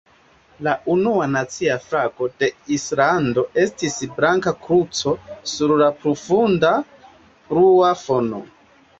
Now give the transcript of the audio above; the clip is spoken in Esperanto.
La unua nacia flago de Islando estis blanka kruco sur profunda blua fono.